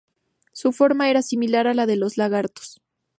Su forma era similar a la de los lagartos.